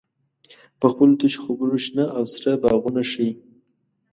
په خپلو تشو خبرو شنه او سره باغونه ښیې.